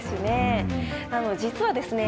実はですね